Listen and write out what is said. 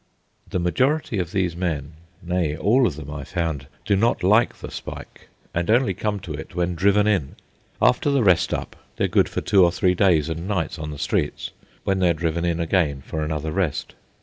The majority of these men, nay, all of them, I found, do not like the spike, and only come to it when driven in. After the "rest up" they are good for two or three days and nights on the streets, when they are driven in again for another rest.